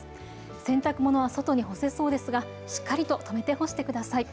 洗濯物は外に干せそうですがしっかり留めて干してください。